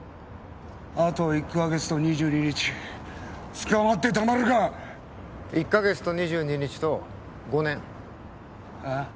あと１カ月と２２日捕まってたまるか１カ月と２２日と５年ああ？